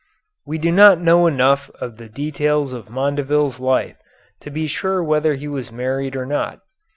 We do not know enough of the details of Mondeville's life to be sure whether he was married or not.